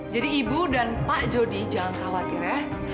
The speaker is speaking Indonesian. jadi ibu dan pak jodi jangan khawatir ya